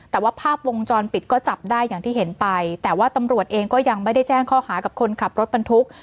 แต่ว่าภาพวงจรปิดก็จับได้อย่างที่เห็นไปแต่ว่าตำรวจเองก็ยังไม่ได้แจ้งข้อหากับคนขับรถบรรทุก